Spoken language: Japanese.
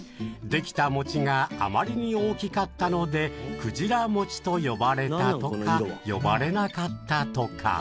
できた餅があまりに大きかったのでくじら餅と呼ばれたとか呼ばれなかったとか。